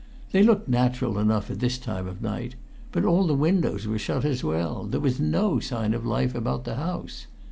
They looked natural enough at this time of night; but all the windows were shut as well; there was no sign of life about the house.